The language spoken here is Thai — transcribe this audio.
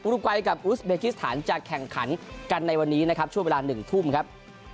รุกัยกับอุสเบกิสถานจะแข่งขันกันในวันนี้นะครับช่วงเวลา๑ทุ่มครับ